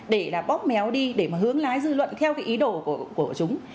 để là bóp méo đi để mà hướng lái dư luận theo cái ý đồ của chúng